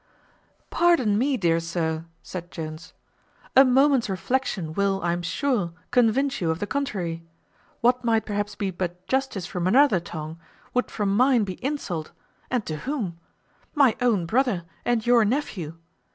"Pardon me, dear sir," said Jones; "a moment's reflection will, I am sure, convince you of the contrary. What might perhaps be but justice from another tongue, would from mine be insult; and to whom? my own brother and your nephew.